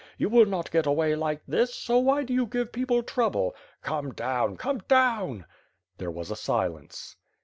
You will not get away like this, so why do you give people trouble. Come down! Come down!'* There was a silence.